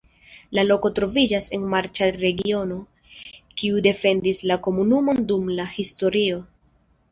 La loko troviĝas en marĉa regiono, kiu defendis la komunumon dum la historio.